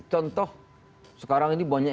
contoh sekarang ini banyak